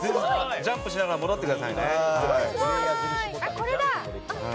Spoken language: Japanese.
ジャンプしながら戻ってくださいね。